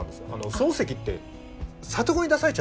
漱石って里子に出されちゃってる。